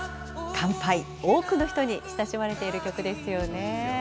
乾杯、多くの人に親しまれている曲ですよね。